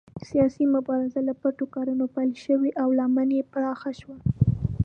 سیاسي مبارزې له پټو کړنو پیل شوې او لمن یې پراخه شوه.